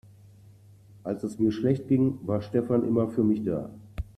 Als es mir schlecht ging, war Stefan immer für mich da.